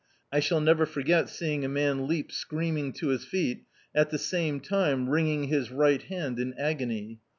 I shall never forget seeing a man leap screaming to his feet, at the same time wringing his right hand in agony.